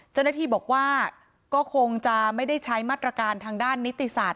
เจ้าหน้าที่บอกว่าก็คงจะไม่ได้ใช้มาตรการทางด้านนิติศาสต